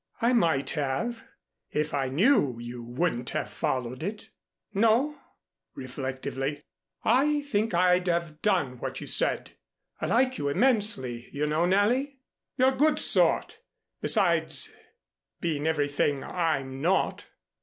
"I might have, if I knew you wouldn't have followed it." "No," reflectively. "I think I'd have done what you said. I like you immensely, you know, Nellie. You're a good sort besides being everything I'm not."